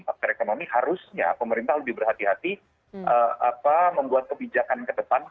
faktor ekonomi harusnya pemerintah lebih berhati hati membuat kebijakan ke depan